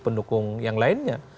pendukung yang lainnya